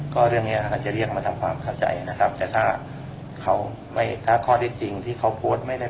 ก็เรื่องเนี้ยอาจจะเรียกมาทำความเข้าใจนะครับแต่ถ้าเขาไม่ถ้าข้อได้จริงที่เขาโพสต์ไม่ได้